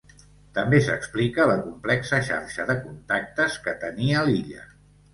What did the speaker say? També s'explica la complexa xarxa de contactes que tenia l'illa.